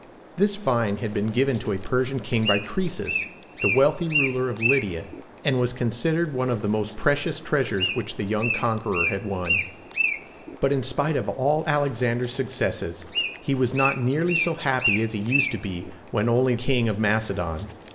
This vine had been given to a Persian king by Croe´sus, the wealthy ruler of Lyd´i a, and was considered one of the most precious treasures which the young conqueror had won. But in spite of all Alexander's successes, he was not nearly so happy as he used to be when only king of Macedon.